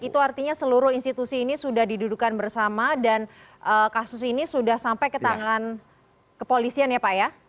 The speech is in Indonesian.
itu artinya seluruh institusi ini sudah didudukan bersama dan kasus ini sudah sampai ke tangan kepolisian ya pak ya